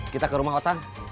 kita ke rumah otang